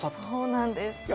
そうなんです。